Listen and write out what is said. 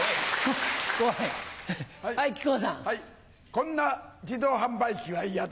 こんな自動販売機は嫌だ。